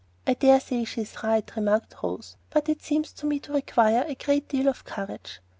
"I dare say she's right," remarked Rose; "but it seems to me to require a great deal of courage."